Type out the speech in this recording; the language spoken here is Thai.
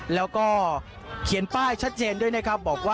แล้วก็เขียนป้ายชัดเจนด้วยนะครับบอกว่า